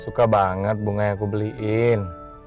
suka banget bunganya aku beliin